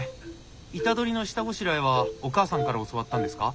イタドリの下ごしらえはお母さんから教わったんですか？